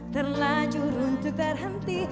terlajur untuk terhenti